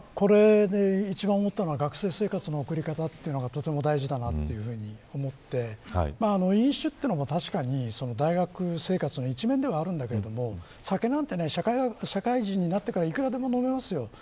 僕はこれで一番思ったのは学生生活の送り方というのがとても大事だなというふうに思って飲酒というのも確かに大学生活の一面ではあるんだけれども酒なんて、社会人になってからいくらでも飲めますよ。